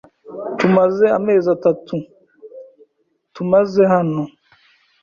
Tumaze amezi atatu tumaze hano.